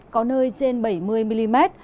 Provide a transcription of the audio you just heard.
có nơi trên bảy mươi mm